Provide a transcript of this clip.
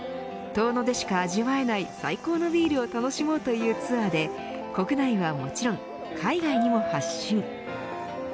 遠野でしか味わえない最高のビールを楽しもうというツアーで国内はもちろん海外にも発信。